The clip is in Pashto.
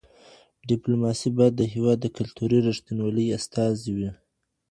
ډیپلوماسي باید د هېواد د کلتوري رښتینولۍ استازې وي.